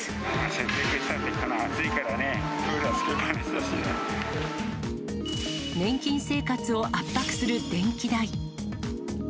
節約といっても暑いからね、年金生活を圧迫する電気代。